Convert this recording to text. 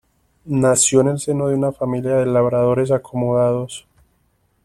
Nació en el seno de una familia de labradores acomodados.